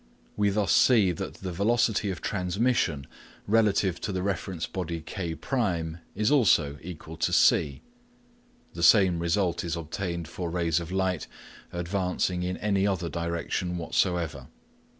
We thus see that the velocity of transmission relative to the reference body K1 is also equal to c. The same result is obtained for rays of light advancing in any other direction whatsoever.